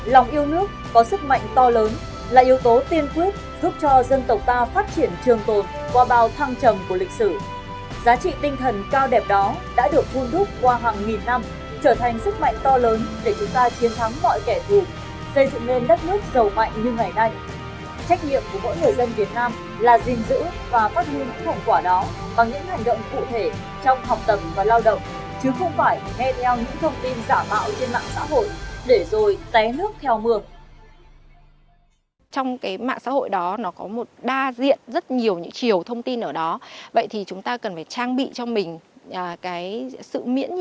lòng yêu nước có sức mạnh to lớn là yếu tố tiên quyết giúp cho dân tộc ta phát triển trường tồn qua bao thăng trầm của lịch sử